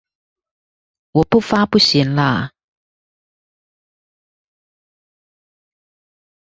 我不發不行啦！